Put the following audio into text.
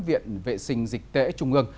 viện vệ sinh dịch tễ trung ương